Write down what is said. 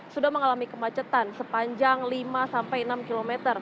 sudah mengalami kemacetan sepanjang lima sampai enam km